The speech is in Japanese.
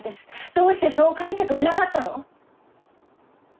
どうしてそう書いてくれなかったの？